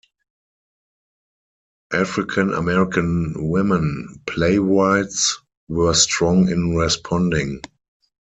African-American women playwrights were strong in responding.